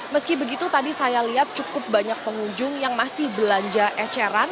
meski begitu tadi saya lihat cukup banyak pengunjung yang masih belanja eceran